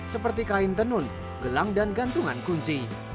seperti kain tenun gelang dan gantungan kunci